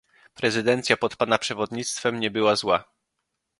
Prezydencja pod pana przewodnictwem nie była zła